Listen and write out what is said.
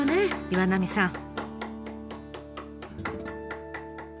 岩浪さん。